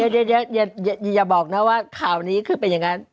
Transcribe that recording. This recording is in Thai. เดี๋ยวอย่าบอกนะว่าข่าวนี้คือเป็นอย่างนั้น